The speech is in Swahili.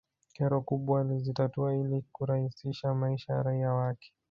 kero kubwa alizitatua ili kurahisisha maisha ya raia wake